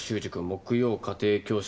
木曜家庭教師